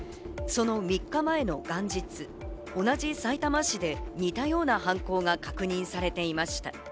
その３日前の元日、同じさいたま市で似たような犯行が確認されていました。